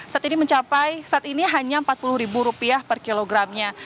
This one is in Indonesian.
saat ini mencapai saat ini hanya rp empat puluh per kilogramnya